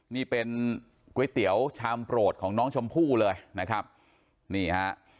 นี่เป็นก๋วยเตี๋ยวชามโปรดของน้องชมพู่เลยนะครับนี่ฮะ